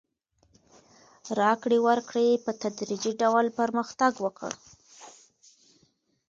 راکړې ورکړې په تدریجي ډول پرمختګ وکړ.